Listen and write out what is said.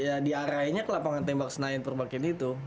ya di arahnya ke lapangan tembak senayan purwakini tuh